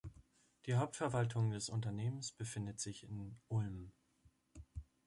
Die Hauptverwaltung des Unternehmens befindet sich in Ulm.